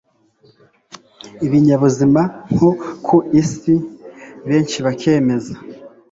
ibinyabuzima nko ku isi benshi bakemeza